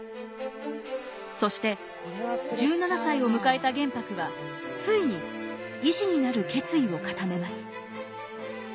そして１７歳を迎えた玄白はついに医師になる決意を固めます。